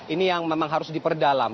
ini yang memang harus diperdalam